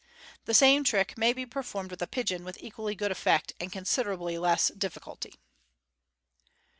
The same trick may be performed with a pigeon with equally good effect, and con siderably less difficulty.